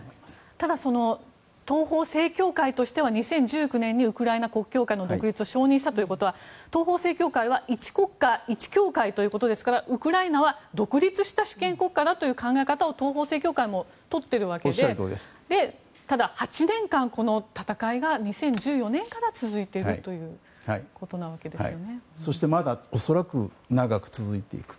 ただ、東方正教会としては２０１９年にウクライナ国教会の独立を承認したということは東方正教会は一国家一教会ということですからウクライナは独立した主権国家だという考え方を東方正教会もとっているわけでただ、８年間この戦いが２０１４年から続いているということなんですよね。